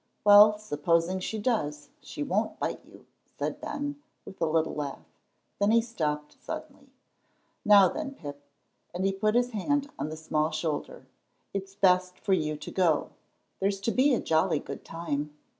"Well, supposing she does, she won't bite you," said Ben, with a little laugh. Then he stopped suddenly. "Now then, Pip," and he put his hand on the small shoulder, "it's best for you to go; there's to be a jolly good time.